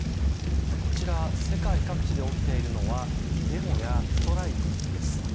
こちら世界各地で起きているのはデモやストライキです。